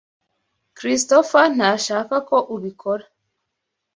Christopher ntashaka ko ubikora.